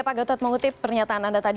pak gatot mengutip pernyataan anda tadi